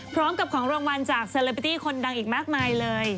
พร้อมกับของรางวัลจากเซเลบิตี้คนดังอีกมากมายเลย